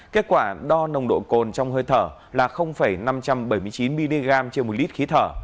kết quả đo nồng độ cồn trong hơi thở là năm trăm bảy mươi chín mg trên một lít khí thở